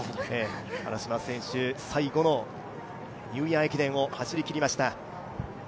原嶋選手、最後のニューイヤー駅伝を走りきりました。